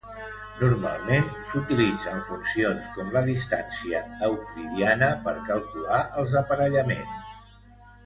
Normalment s'utilitzen funcions com la distància euclidiana per calcular els aparellaments.